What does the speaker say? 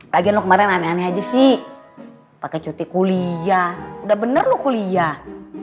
lagian lo kemarin aneh aneh aja sih pakai cuti kuliah udah bener lu kuliah